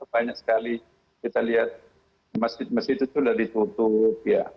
banyak sekali kita lihat masjid masjid itu sudah ditutup ya